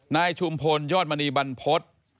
นายชุมพลยอดมณีบันพฤษ